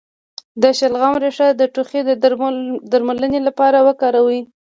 د شلغم ریښه د ټوخي د درملنې لپاره وکاروئ